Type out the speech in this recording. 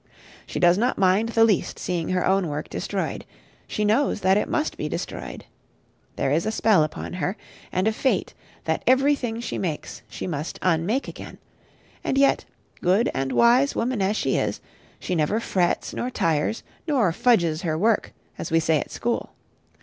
She does not mind the least seeing her own work destroyed; she knows that it must be destroyed. There is a spell upon her, and a fate, that everything she makes she must unmake again: and yet, good and wise woman as she is, she never frets, nor tires, nor fudges her work, as we say at school.